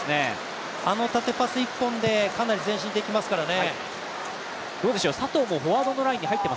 あの縦パス一本で、かなり前進できますからね。